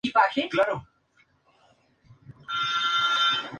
Exigió que se hiciera cumplir la fatwa.